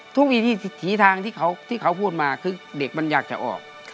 ถีทางที่เขาพูดมาคือเด็กมันอยากจะออก